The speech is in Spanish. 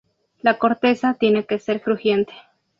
La corteza tiene que ser crujiente.